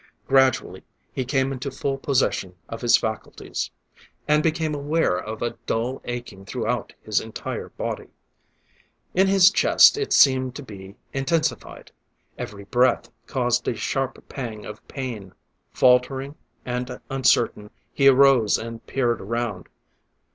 Gradually he came into full possession of his faculties and became aware of a dull aching throughout his entire body. In his chest it seemed to be intensified; every breath caused a sharp pang of pain. Faltering and uncertain, he arose and peered around.